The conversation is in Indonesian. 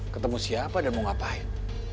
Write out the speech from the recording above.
ketemu siapa dan mau ngapain